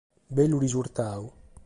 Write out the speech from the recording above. Bellu resurtadu.